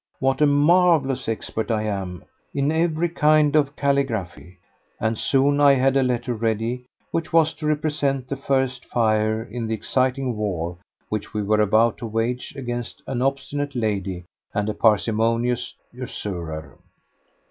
what a marvellous expert I am in every kind of calligraphy, and soon I had a letter ready which was to represent the first fire in the exciting war which we were about to wage against an obstinate lady and a parsimonious usurer.